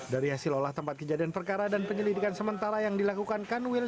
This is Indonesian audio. dari hasil olah tempat kejadian perkara dan penyelidikan sementara yang dilakukan kanwil